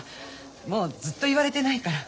もうずっと言われてないから。